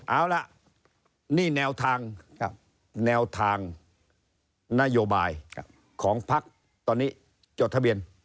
เอาล่ะนี่แนวทางครับแนวทางนโยบายของพักตอนนี้จดทะเบียน